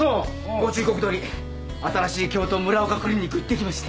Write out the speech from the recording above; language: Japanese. ご忠告どおり新しい京都ＭＵＲＡＯＫＡクリニック行ってきました。